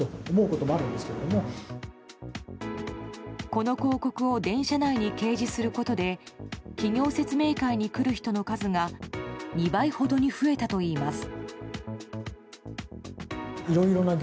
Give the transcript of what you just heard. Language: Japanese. この広告を電車内に掲示することで企業説明会に来る人の数が２倍ほどに増えたといいます。